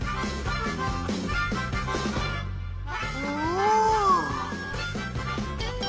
おお！